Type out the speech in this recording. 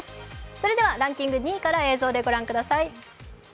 それではランキング２位から映像でご覧ください。